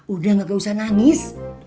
udah gak usah nangis